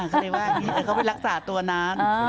เขาไปรักษาตัวนั้น